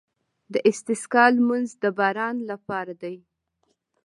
د استسقا لمونځ د باران لپاره دی.